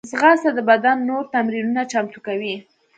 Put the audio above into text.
ځغاسته د بدن نور تمرینونه چمتو کوي